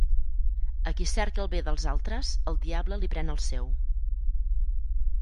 A qui cerca el bé dels altres, el diable li pren el seu.